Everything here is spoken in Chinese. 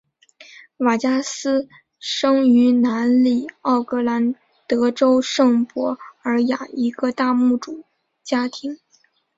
瓦加斯生于南里奥格兰德州圣博尔雅一个大牧主家庭。